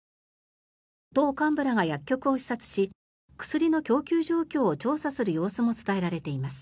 党幹部らが薬局を視察し薬の供給状況を調査する様子も伝えられています。